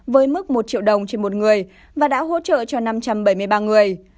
với mức một triệu đồng trên một người và đã hỗ trợ cho năm trăm bảy mươi ba người